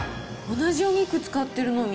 同じお肉使ってるのに。